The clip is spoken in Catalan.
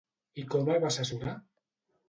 I com el va assessorar?